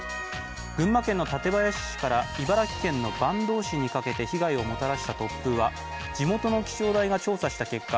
群馬県の館林市から茨城県の坂東市にかけて被害をもたらした突風は地元の気象台が調査した結果